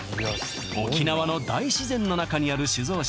沖縄の大自然の中にある酒造所